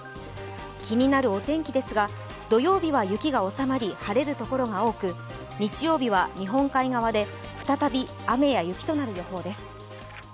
気になるお天気ですが、土曜日は雪が収まり晴れる所が多く日曜日は日本海側で再び雨や雪となる予報です。